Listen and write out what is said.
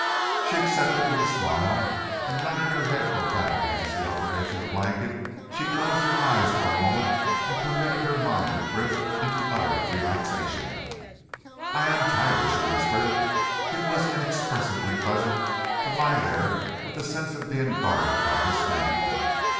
She accepted with a smile, and letting her head go back against the upper edge of the blanket she closed her eyes for a moment and permitted her mind to drift into utter relaxation. "I am tired," she whispered. It was inexpressibly pleasant to lie there with the sense of being guarded by this man.